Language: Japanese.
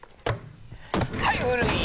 はい古い！